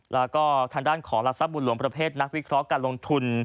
แล้วก็ทางด้านของหลักทรัพย์บุญหลวงประเภทนักวิเคราะห์การลงทุน